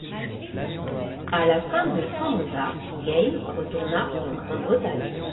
À la fin de son mandat, Game retourna en Grande-Bretagne.